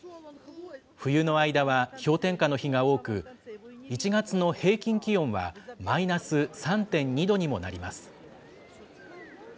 冬の間は氷点下の日が多く、１月の平均気温はマイナス３．２度にもなります。